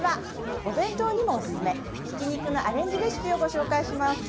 お弁当にもおすすめひき肉のアレンジレシピをご紹介します。